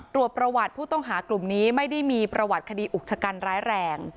ประวัติผู้ต้องหากลุ่มนี้ไม่ได้มีประวัติคดีอุกชะกันร้ายแรง